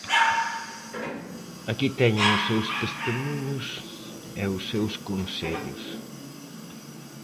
Aquí teñen os seus testemuños e os seus consellos.